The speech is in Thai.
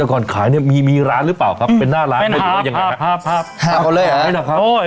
แต่ก่อนขายมีร้านหรือเปล่าครับเป็นหน้าร้านอีกหรือยังไง